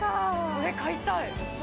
これ買いたい。